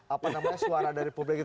apa namanya suara dari publik itu